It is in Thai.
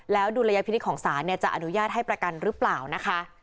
แล้วดูระยะพินิษฐ์ของศาลเนี่ยจะอนุญาตให้ประกันหรือเปล่านะคะ